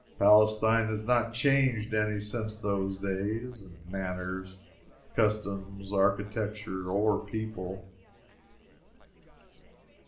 Palestine is not changed any since those days, in manners, customs, architecture, or people.